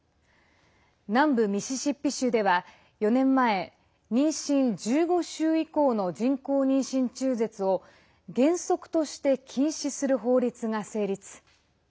南部ミシシッピ州では４年前、妊娠１５週以降の人工妊娠中絶を原則として禁止する法律が成立。